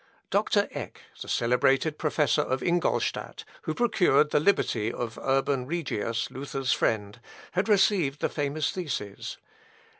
Dr. Eck, the celebrated professor of Ingolstadt, who procured the liberty of Urban Regius, Luther's friend, had received the famous theses.